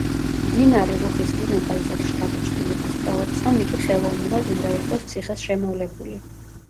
მდინარე რუხის დინება ისეთ შთაბეჭდილებას ტოვებს, რომ იგი ხელოვნურად უნდა იყოს ციხეს შემოვლებული.